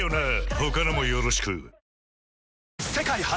他のもよろしく世界初！